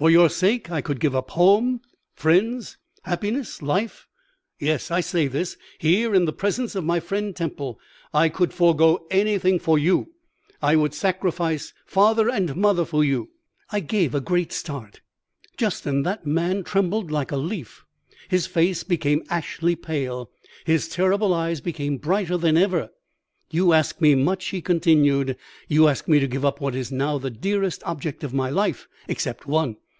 For your sake I could give up home, friends, happiness, life. Yes, I say this, here, in the presence of my friend Temple. I could forego anything for you. I would sacrifice father and mother for you.'" I gave a great start. "Justin, that man trembled like a leaf. His face became ashy pale; his terrible eyes became brighter than ever. "'You ask me much,' he continued. 'You ask me to give up what is now the dearest object of my life except one.